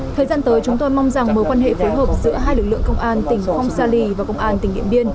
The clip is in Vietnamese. thời gian tới chúng tôi mong rằng mối quan hệ phối hợp giữa hai lực lượng công an tỉnh không sa lì và công an tỉnh điện biên